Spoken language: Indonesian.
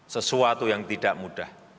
sesuatu yang tidak mudah